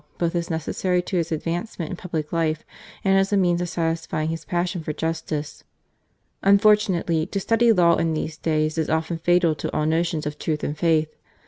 LIFE AS A LAWYER. 13 advancement in public life, and as a means of satisfying his passion for justice. Unfortunately, to study law in these days is often fatal to all notions of truth and faith.